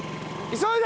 急いで！